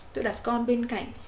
tôi đặt con bên cạnh